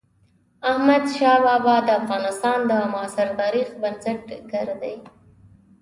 احمد شاه بابا د افغانستان د معاصر تاريخ بنسټ ګر دئ.